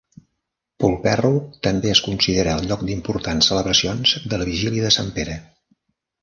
Polperro també es considera el lloc d'importants celebracions de la vigília de Sant Pere.